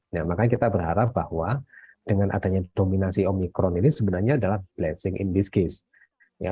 nah makanya kita berharap bahwa dengan adanya dominasi omikron ini sebenarnya adalah blessing in disguse